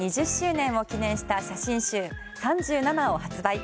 デビュー２０周年を記念した写真集「３７」を発売。